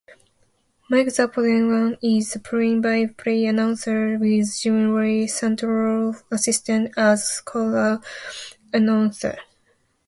Mike Zappone is the play-by-play announcer with Jimmy Lee Santorella assisting as color announcer.